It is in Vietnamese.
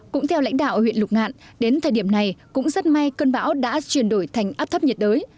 cũng theo lãnh đạo huyện lục ngạn đến thời điểm này cũng rất may cơn bão đã chuyển đổi thành áp thấp nhiệt đới